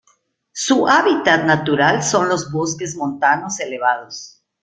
Su hábitat natural son los bosques montanos elevados.